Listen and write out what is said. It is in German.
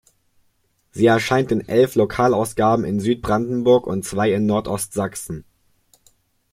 Sie erscheint in elf Lokalausgaben in Süd-Brandenburg und zwei in Nordost-Sachsen.